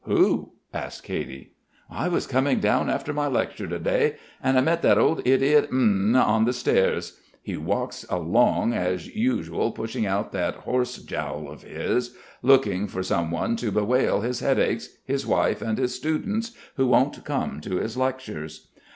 "Who?" asks Katy. "I was coming down after my lecture to day and I met that old idiot N on the stairs. He walks along, as usual pushing out that horse jowl of his, looking for some one to bewail his headaches, his wife, and his students, who won't come to his lectures.